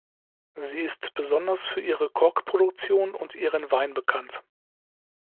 Sie ist besonders für ihre Kork-Produktion und ihren Wein bekannt.